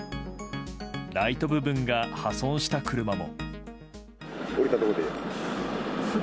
ライト部分が破損した車も。